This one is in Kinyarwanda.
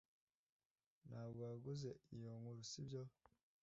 Ntabwo waguze iyo nkuru sibyo